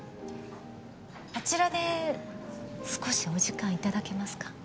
あちらで少しお時間頂けますか？